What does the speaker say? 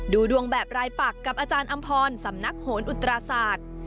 ดูดวงแบบรายปักกับอาจารย์อำพรสำนักโหนอุตราศาสตร์